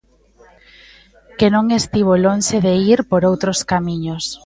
Que non estivo lonxe de ir por outros camiños.